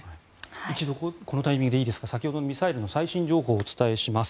一度このタイミングで先ほどのミサイルの最新情報をお伝えします。